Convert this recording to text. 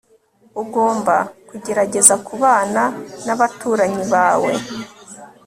ugomba kugerageza kubana nabaturanyi bawe